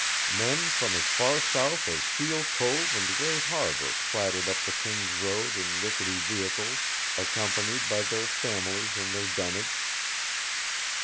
Men from as far south as Seal Cove and Great Harbor clattered up the King's Road in rickety vehicles, accompanied by their families and their dunnage.